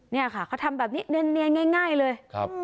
นี่ค่ะเขาทำแบบนี้เนียนง่ายเลย